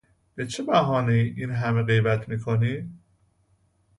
به چه بهانهای این همه غیبت میکنی؟